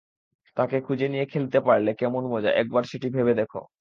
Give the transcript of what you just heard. তাঁকে খুঁজে নিয়ে খেলতে পারলে কেমন মজা, একবার সেটি ভেবে দেখ।